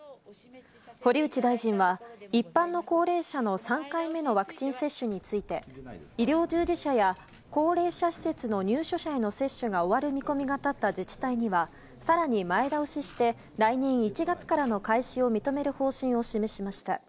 堀内大臣は、一般の高齢者の３回目のワクチン接種について、医療従事者や、高齢者施設の入所者への接種が終わる見込みが立った自治体には、さらに前倒しして、来年１月からの開始を認める方針を示しました。